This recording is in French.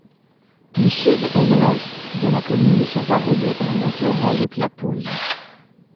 Le sud est l'ouest de la commune sont arrosé par le torrent de Clapouse.